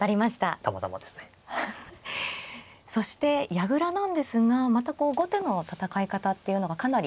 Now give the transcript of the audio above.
そして矢倉なんですがまたこう後手の戦い方っていうのがかなり。